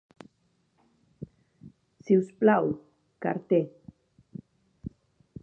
Si us plau, carter